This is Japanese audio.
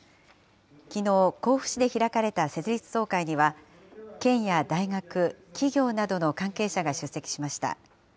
きのう、甲府市で開かれた設立総会には、県や大学、企業などの関係者が出席しました。